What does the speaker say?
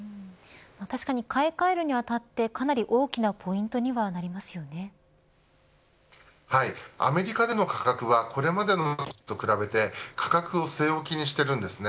確かに、買い換えるにあたってかなり大きなポイントにはアメリカでの価格はこれまでのものと比べて価格を据え置きにしています。